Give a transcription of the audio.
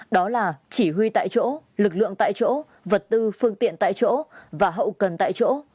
đó là chỉ huy tại chỗ lực lượng tại chỗ vật tư phương tiện tại chỗ và hậu cần tại chỗ